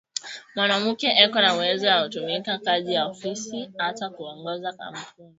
Mwanamuke eko na uwezo ya tumika kaji ya ofisi ata ku ongoza ma kampuni